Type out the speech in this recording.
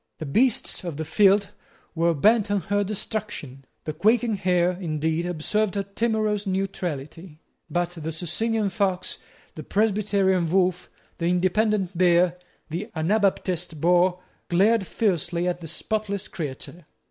The beasts of the field were bent on her destruction. The quaking hare, indeed, observed a timorous neutrality: but the Socinian fox, the Presbyterian wolf, the Independent bear, the Anabaptist boar, glared fiercely at the spotless creature.